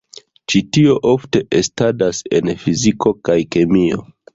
Ĉi tio ofte estadas en fiziko kaj kemio.